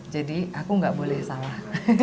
jadi aku tidak boleh salah